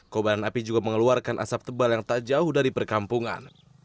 kobaran api juga mengeluarkan asap tebal yang tak jauh dari perkampungan